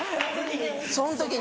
その時に。